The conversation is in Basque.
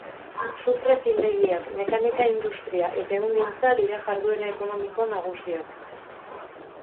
Sufre-findegiak, mekanika-industria eta ehungintza dira jarduera ekonomiko nagusiak.